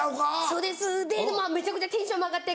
そうですでめちゃくちゃテンションも上がって。